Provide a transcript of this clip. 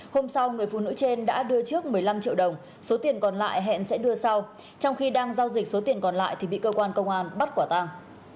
hôm sau người phụ nữ trên đã đưa trước một mươi năm triệu đồng số tiền còn lại hẹn sẽ đưa sau trong khi đang giao dịch số tiền còn lại thì bị cơ quan công an bắt quả tàng